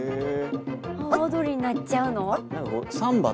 阿波踊りになっちゃうの？